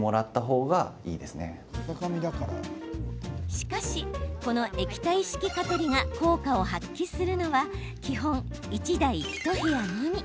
しかし、この液体式蚊取りが効果を発揮するのは基本、１台１部屋のみ。